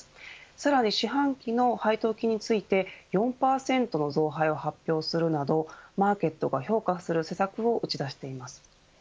さらに四半期の配当金について４％の増配を発表するなどマーケットが評価する施策を打ち出しています。